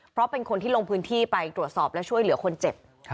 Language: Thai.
เพราะเป็นคนที่ลงพื้นที่ไปตรวจสอบและช่วยเหลือคนเจ็บ